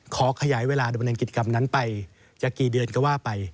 ขอขยายเวลาดำเนินกิจกรรมนั้นไปจะกี่เดือนก็ว่าไป